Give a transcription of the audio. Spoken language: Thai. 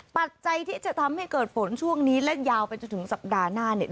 ปัจจัยที่จะทำให้เกิดฝนช่วงนี้และยาวไปจนถึงสัปดาห์หน้าเนี่ย